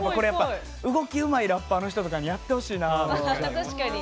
動きうまいラッパーの人とかにやってほしいな。